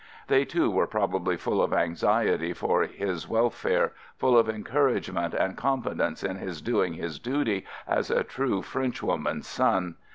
They too were probably full of anxiety for his welfare, full of en couragement and confidence in his doing his duty as a true French woman's son.